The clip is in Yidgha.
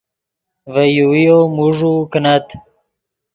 ڤے یوویو موݱوؤ کینت